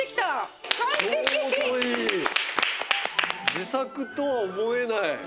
自作とは思えない。